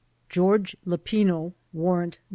George Lapeno (Warrant No.